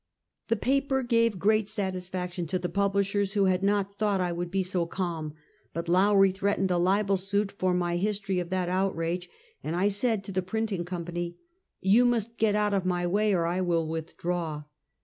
The pajoer gave great satisfaction to the publishers, who had not thouglit I could be so calm ; but Lowrie threatened a libel suit for mj^ history of that outrage, and I said to the printing company: " You must get out of my way or I will withdraw."